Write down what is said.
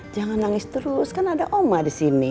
jangan nangis terus kan ada oma di sini